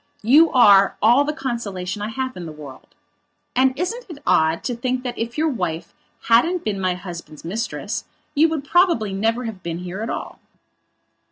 You are all the consolation I have in the world. And isn't it odd to think that if your wife hadn't been my husband's mistress, you would probably never have been here at all?"